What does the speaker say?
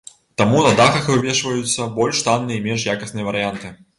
Таму на дахах вывешваюцца больш танныя і менш якасныя варыянты.